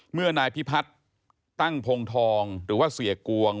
นายพิพัฒน์ตั้งพงทองหรือว่าเสียกวง